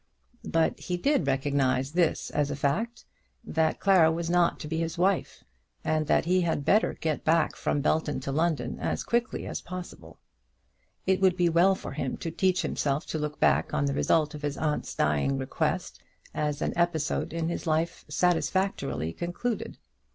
But he did recognise this as a fact, that Clara was not to be his wife, and that he had better get back from Belton to London as quickly as possible. It would be well for him to teach himself to look back on the result of his aunt's dying request as an episode in his life satisfactorily concluded.